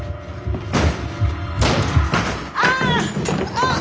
あっ！